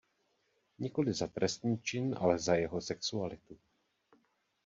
Nikoli za trestný čin, ale za jeho sexualitu.